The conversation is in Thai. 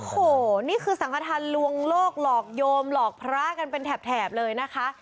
โอ้โหนี่คือสังขทานลวงโลกหลอกโยมหลอกพระกันเป็นแถบเลยนะคะ